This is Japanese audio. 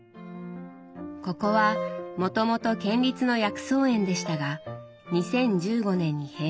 ここはもともと県立の薬草園でしたが２０１５年に閉園。